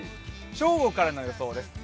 正午からの予想です。